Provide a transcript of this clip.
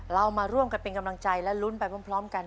เรามาร่วมกันเป็นกำลังใจและลุ้นไปพร้อมกัน